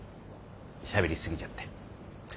しゃべり過ぎちゃって。